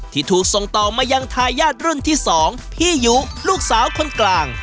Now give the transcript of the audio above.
ที่ถูกส่งต่อมายังทายาทรุ่นที่๒พี่ยุลูกสาวคนกลาง